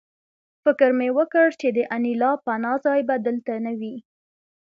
فکر مې وکړ چې د انیلا پناه ځای به دلته نه وي